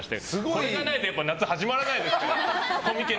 これがないと夏始まらないですから。